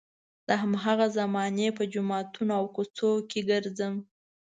د هماغې زمانې په جوماتونو او کوڅو کې ګرځم.